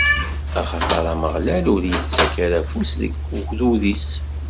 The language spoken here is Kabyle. Axaṭer Ameɣlal ur ittak ara afus deg ugdud-is.